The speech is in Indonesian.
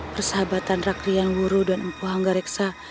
persahabatan rakhrian wuru dan empu hangga reksa